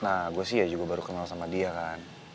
nah gue sih ya juga baru kenal sama dia kan